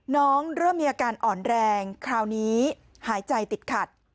เริ่มมีอาการอ่อนแรงคราวนี้หายใจติดขัด